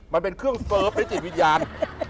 มันเป็นเครื่องเซิร์ฟและจิตวิญญาณ